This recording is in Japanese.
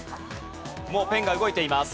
もうペンが動いています。